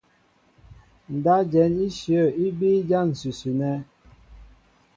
Ndáp jɛ̌n íshyə̂ í bíí ján ǹsʉsʉ nɛ́.